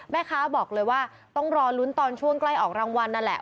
แม่ค้าบอกเลยว่าต้องรอลุ้นตอนช่วงใกล้ออกรางวัลนั่นแหละ